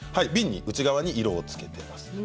瓶の内側に色をつけています。